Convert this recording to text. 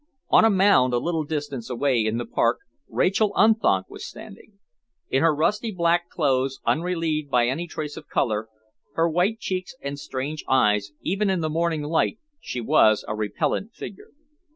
On a mound a little distance away in the park, Rachael Unthank was standing. In her rusty black clothes, unrelieved by any trace of colour, her white cheeks and strange eyes, even in the morning light she was a repellent figure.